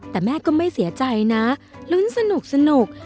แต่แม่ก็ไม่เสียใจนะลุ้นสนุก